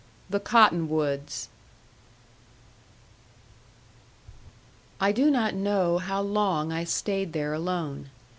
THE COTTONWOODS I do not know how long I stayed there alone.